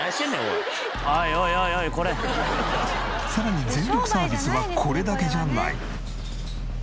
さらに全力サービスはこれだけじゃない。